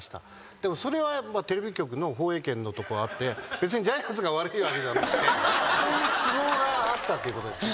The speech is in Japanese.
でもそれはテレビ局の放映権のとこあって別にジャイアンツが悪いわけじゃなくてそういう都合があったっていうことですね。